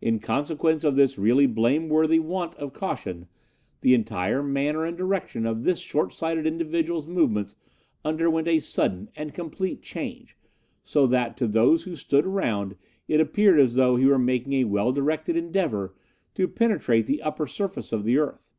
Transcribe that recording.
In consequence of this really blameworthy want of caution the entire manner and direction of this short sighted individual's movements underwent a sudden and complete change, so that to those who stood around it appeared as though he were making a well directed endeavour to penetrate through the upper surface of the earth.